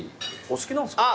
お好きなんですか？